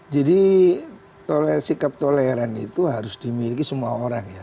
jadi sikap toleran itu harus dimiliki semua orang ya